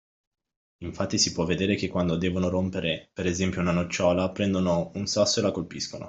Infatti si può vedere che quando devono rompere, per esempio, una nocciola prendono un sasso e la colpiscono.